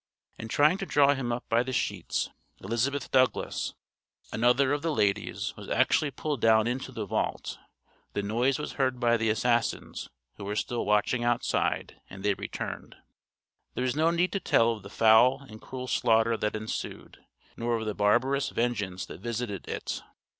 In trying to draw him up by the sheets, Elizabeth Douglas, another of the ladies, was actually pulled down into the vault; the noise was heard by the assassins, who were still watching outside, and they returned. There is no need to tell of the foul and cruel slaughter that ensued, nor of the barbarous vengeance that visited it.